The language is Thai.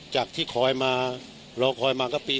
จะจะมี